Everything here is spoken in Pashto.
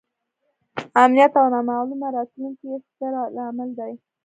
امنیت او نامعلومه راتلونکې یې ستر لامل دی.